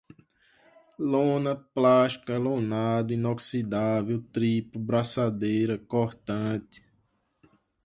lona, plástica, lonado, inoxidável, triplo, braçadeira, cortante